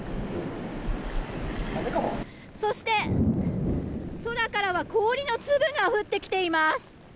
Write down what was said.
そして、空からは氷の粒が降ってきています。